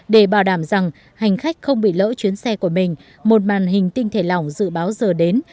để bảo đảm rằng hành khách không bị lỡ chuyến xe của mình một màn hình tinh thể lỏng dự báo giờ đến